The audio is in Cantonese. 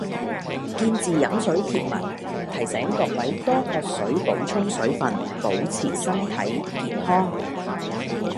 「見字飲水」貼文，提醒各位多喝水補充水份，保持身體健